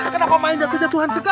kenapa main jatuh jatuhan segala bos